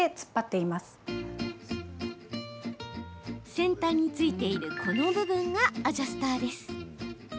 先端に付いているこの部分がアジャスターです。